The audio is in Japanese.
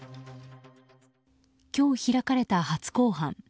今日開かれた初公判。